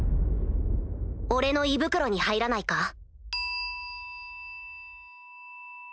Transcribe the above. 俺の胃袋に入らないか？